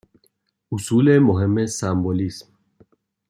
اصول مهم سمبولیسم